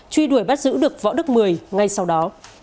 truy đuổi bắt giữ được võ đức mười ngay sau đó